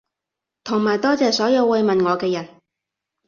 同埋多謝所有慰問我嘅人